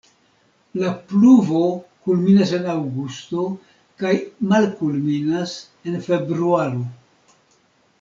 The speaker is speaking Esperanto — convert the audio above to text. La pluvo kulminas en aŭgusto kaj malkulminas en februaro.